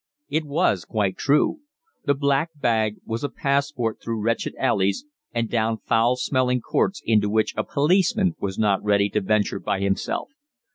It was quite true. The black bag was a passport through wretched alleys and down foul smelling courts into which a policeman was not ready to venture by himself.